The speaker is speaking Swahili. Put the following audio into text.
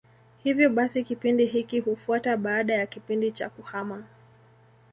Hivyo basi kipindi hiki hufuata baada ya kipindi cha kuhama.